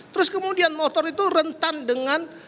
terus kemudian motor itu rentan dengan